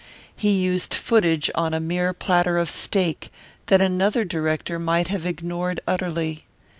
He used footage on a mere platter of steak that another director might have ignored utterly.